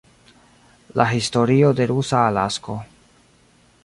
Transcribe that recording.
La historio de rusa Alasko.